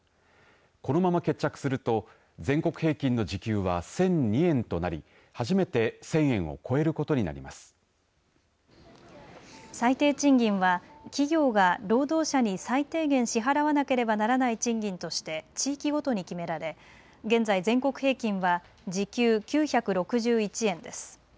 このまま決着すると全国平均の時給は１００２円となり初めて１０００円を最低賃金は、企業が労働者に最低限支払わなければならない賃金として地域ごとに決められ現在、全国平均は時給９６１円です。